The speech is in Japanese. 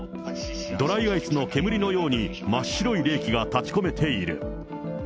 ドライアイスの煙のように、真っ白い冷気が立ち込めている。